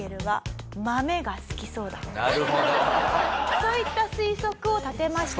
そういった推測を立てました。